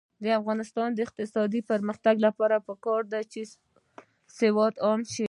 د افغانستان د اقتصادي پرمختګ لپاره پکار ده چې سواد عام شي.